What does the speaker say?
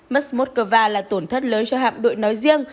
mất moskva là tổn thất lớn cho hạm đội nói riêng